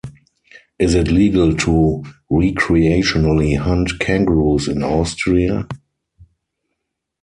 Is it legal to recreationally hunt kangaroos in Austria?